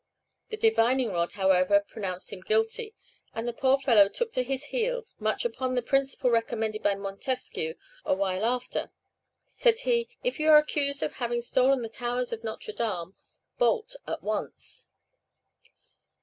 The divining rod, however, pronounced him guilty, and the poor fellow took to his heels, much upon the principle recommended by Montesquieu a while after. Said he, "If you are accused of having stolen the towers of Notre Dame, bolt at once."